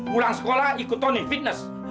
pulang sekolah ikut tony fitness